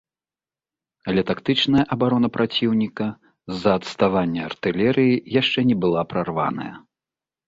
Але тактычная абарона праціўніка з-за адставання артылерыі яшчэ не была прарваная.